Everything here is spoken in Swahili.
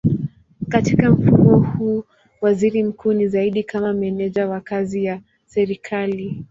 Katika mfumo huu waziri mkuu ni zaidi kama meneja wa kazi ya serikali.